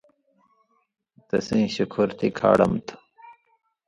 تسیں شُکھرتی کھاڑم تُھو